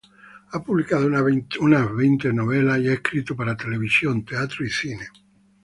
Ha publicado unas veinte novelas y ha escrito para televisión, teatro y cine.